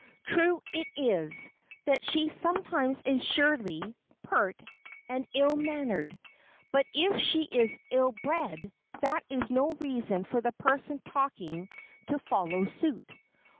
True it is, that she sometimes is surly, pert and ill mannered. But if she is ill bred, that is no reason for the person talking to follow suit.